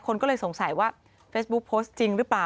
คนก็เลยสงสัยว่าเฟซบุ๊คโพสต์จริงหรือเปล่า